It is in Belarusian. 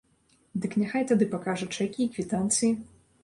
Дык няхай тады пакажа чэкі і квітанцыі.